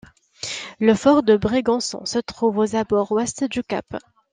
Le fort de Brégançon se trouve aux abords ouest du cap.